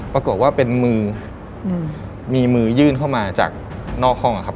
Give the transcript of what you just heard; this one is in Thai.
ปรากฏว่าเป็นมือมีมือยื่นเข้ามาจากนอกห้องครับ